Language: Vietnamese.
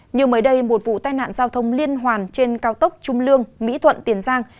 như mới đây một vụ tai nạn giao thông liên hoàn trên cao tốc trung lương mỹ thuận tiền giang